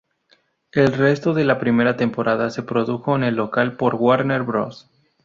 El resto de la primera temporada se produjo en el local por Warner Bros.